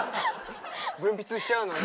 分泌しちゃうのね。